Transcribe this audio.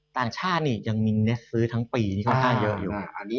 ต่างชาตินี่ยังมีเน็ตซื้อทั้งปีที่ค่อนข้างเยอะอยู่